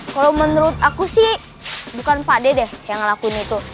kalau menurut aku sih bukan pak deh yang ngelakuin itu